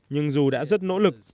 nhưng dù đã rất nỗ lực